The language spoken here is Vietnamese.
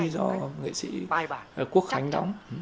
do nghệ sĩ quốc khánh đóng